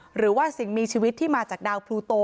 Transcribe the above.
หรือว่าสิ่งมีชีวิตที่มาจากดาวพลูโต